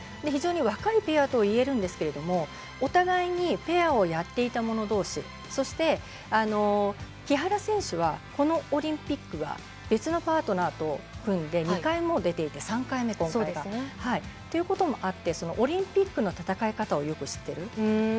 非常に若いペアといえるんですけれどもお互いにペアをやっていたものどうしそして木原選手はこのオリンピックは別のパートナーと組んでいて２回も出ていて今回が３回目。ということもあってオリンピックの戦い方をよく知っている。